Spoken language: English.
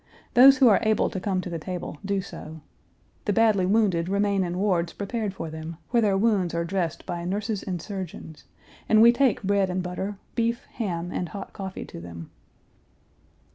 Those who are able to come to the table do so. The badly wounded remain in wards prepared for them, where their wounds are dressed by nurses and surgeons, and we take bread and butter, beef, ham, and hot coffee to them.